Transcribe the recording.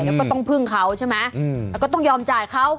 แล้วก็ต้องพึ่งเขาใช่ไหมแล้วก็ต้องยอมจ่ายเขา